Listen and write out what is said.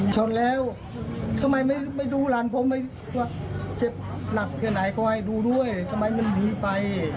เจ็บหนักแค่ไหนเขาให้ดูด้วยทำไมมันมีไป